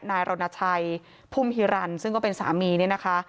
นายรณชัยพุ่มฮิรันซึ่งก็เป็นสามีเนี่ยนะคะ